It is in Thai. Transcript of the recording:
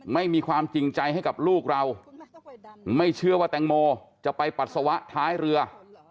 ไม่มีความจริงใจให้กับลูกเราไม่เชื่อว่าแตงโมจะไปปัสสาวะท้ายเรือ